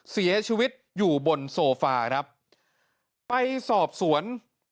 เสียชีวิตอยู่บนโซฟาครับไปสอบสวน